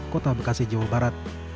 kota bekasi jawa barat